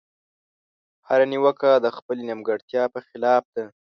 هره نيوکه د خپلې نيمګړتيا په خلاف ده.